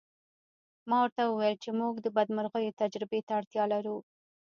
ما ورته وویل چې موږ د بدمرغیو تجربې ته اړتیا لرو